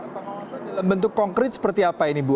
bagaimana pengawasan dalam bentuk konkrit seperti apa ini bu